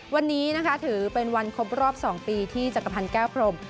วันนี้นะคะถือเป็นวันครบรอบ๒ปีที่จักรพันธ์แก้วพรม